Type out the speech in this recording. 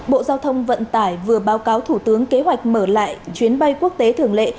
bộ giao thông vận tải vừa báo cáo thủ tướng kế hoạch mở lại chuyến bay quốc tế thường lệ